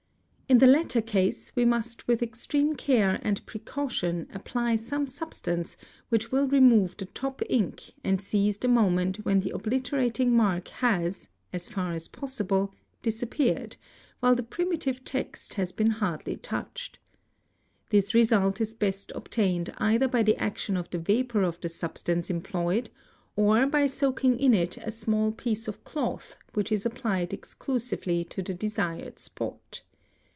In the latter case we must with extreme care and precaution apply some substance which will remove the top ink and seize the moment when the obliterating mark has, as far as possible, disappeared, while the primitive text has been hardly touched. This— result is best obtained either by the action of the vapour of the substance 3 employed, or by soaking in it a small piece of cloth which is applied exclusively to the desired spot.